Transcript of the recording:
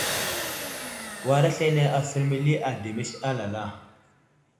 War aslane asər məli ademes alala.